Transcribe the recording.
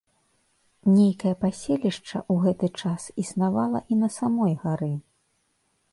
Нейкае паселішча ў гэты час існавала і на самой гары.